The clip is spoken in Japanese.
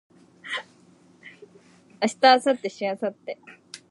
明日明後日しあさって